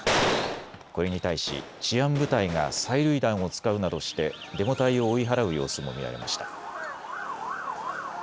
これに対し治安部隊が催涙弾を使うなどしてデモ隊を追い払う様子も見られました。